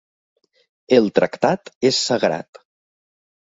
El tractat és sagrat.